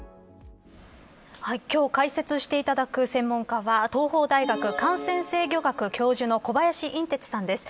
今日解説していただく専門家は東邦大学感染制御学教授の小林寅てつさんです。